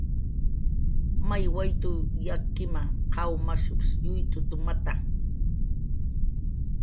"May wayt""w yakkima, qaw mashups yuyt'utmata"